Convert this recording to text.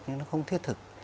nhưng nó không thiết thực